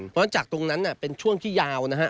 น้ำเป็นของตรงนั้นนะเป็นช่วงที่ยาวนะฮะ